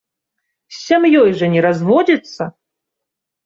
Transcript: З сям'ёй жа не разводзіцца!